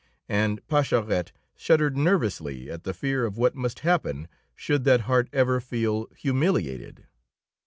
And Pascherette shuddered nervously at the fear of what must happen should that heart ever feel humiliated.